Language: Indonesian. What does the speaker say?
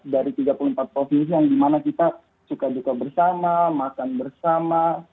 dari tiga puluh empat provinsi yang dimana kita suka buka bersama makan bersama